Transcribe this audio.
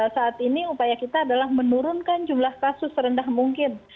saat ini upaya kita adalah menurunkan jumlah kasus serendah mungkin